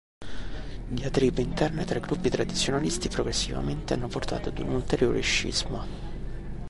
Diatribe interne tra i gruppi tradizionalisti progressivamente hanno portato ad un ulteriore scisma.